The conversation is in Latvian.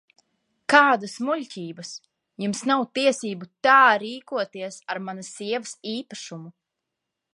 Kādas muļķības! Jums nav tiesību tā rīkoties ar manas sievas īpašumu!